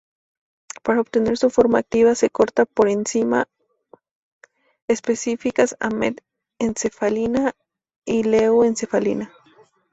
Para obtener su forma activa se corta por enzima específicas a Met-encefalina y Leu-encefalina.